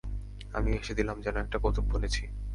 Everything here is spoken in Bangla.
আমিও হেসে দিলাম, যেন একটা কৌতুক বলেছি!